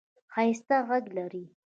ښایسته ږغ لرې !